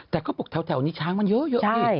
แต่เขาบอกแถวนี้ช้างมันเยอะสิ